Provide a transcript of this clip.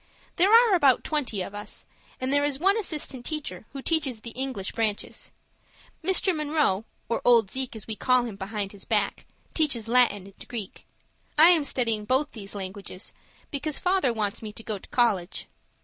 There are about twenty of us, and there is one assistant teacher who teaches the English branches. Mr. Munroe, or Old Zeke, as we call him behind his back, teaches Latin and Greek. I am studying both these languages, because father wants me to go to college.